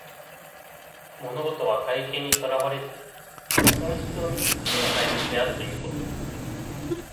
物事は外見にとらわれず、その本質を見抜くことが大切であるということ。